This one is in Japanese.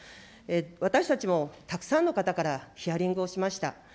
私たちも、たくさんの方からヒアリングをしました。